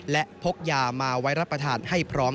และพกยามาไว้รับประทานให้พร้อม